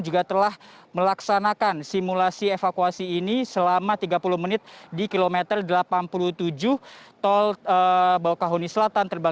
juga telah melaksanakan simulasi evakuasi ini selama tiga puluh menit di kilopetra